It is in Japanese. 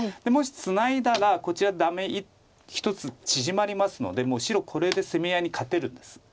もしツナいだらこちらダメ１つ縮まりますのでもう白これで攻め合いに勝てるんです。